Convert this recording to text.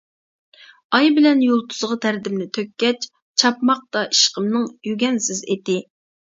ئاي بىلەن يۇلتۇزغا دەردىمنى تۆككەچ، چاپماقتا ئىشقىمنىڭ يۈگەنسىز ئېتى.